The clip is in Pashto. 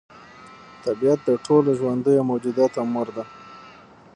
طبیعت د ټولو ژوندیو موجوداتو مور ده.